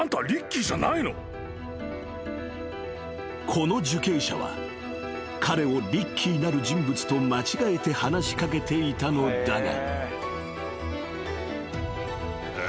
［この受刑者は彼をリッキーなる人物と間違えて話し掛けていたのだが］